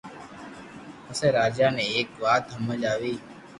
پسي راجا ني ايڪ وات ھمج آوي